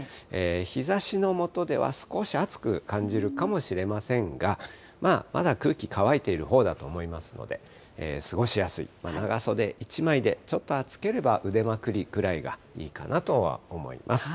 日ざしの下では少し暑く感じるかもしれませんが、まだ空気乾いているほうだと思いますので、過ごしやすい、長袖１枚で、ちょっと暑ければ腕まくりぐらいがいいかなとは思います。